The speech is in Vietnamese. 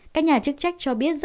các nhà chức trách cho biết rất đau